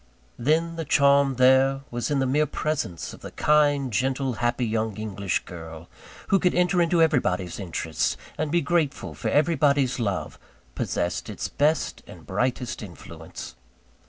Then, the charm there was in the mere presence of the kind, gentle, happy young English girl, who could enter into everybody's interests, and be grateful for everybody's love, possessed its best and brightest influence.